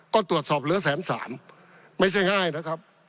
ก็ตรวจสอบเหลือแสนสามไม่ใช่ง่ายนะครับ